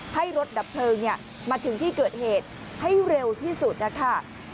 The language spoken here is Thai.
ให้รถดับเพลิงมาถึงที่เกิดเหตุให้เร็วที่สุดนะคะ